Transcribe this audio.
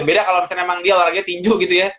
beda kalau misalnya memang dia olahraga tinju gitu ya